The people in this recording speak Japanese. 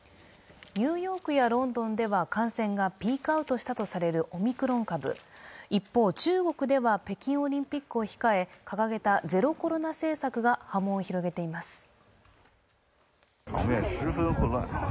ニューヨークやロンドンでは感染がピークアウトしたとされるオミクロン株、一方、中国では北京オリンピックを控え掲げたゼロコロナ政策が波紋を広げています。